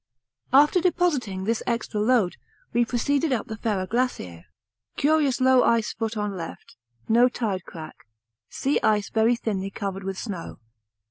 After depositing this extra load we proceeded up the Ferrar Glacier; curious low ice foot on left, no tide crack, sea ice very thinly covered with snow.